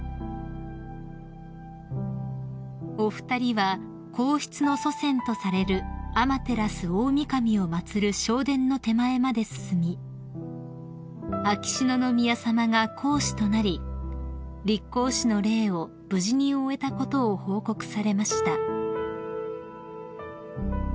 ［お二人は皇室の祖先とされる天照大御神を祭る正殿の手前まで進み秋篠宮さまが皇嗣となり立皇嗣の礼を無事に終えたことを報告されました］